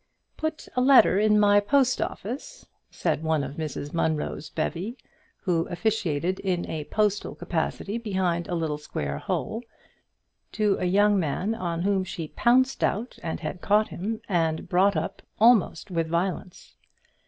"Put a letter in my post office," said one of Mrs Munro's bevy, who officiated in a postal capacity behind a little square hole, to a young man on whom she pounced out and had caught him and brought up, almost with violence.